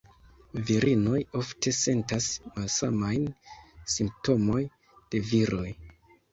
Virinoj ofte sentas malsamajn simptomoj de viroj.